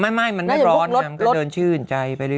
ไม่มันไม่ร้อนก็เดินชื่นใจไปเร็ว